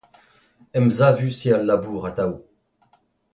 Emsavus eo e labour atav.